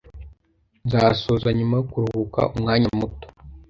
Nzasohoka nyuma yo kuruhuka umwanya muto.